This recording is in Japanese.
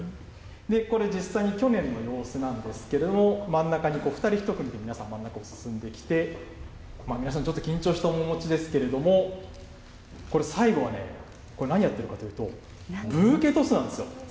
これ、実際に去年の様子なんですけれども、真ん中に２人１組で皆さん真ん中を進んできて、皆さん、ちょっと緊張した面持ちですけれども、これ、最後はね、何やってるかというと、ブーケトスなんですよ。